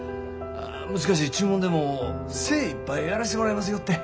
難しい注文でも精いっぱいやらしてもらいますよって。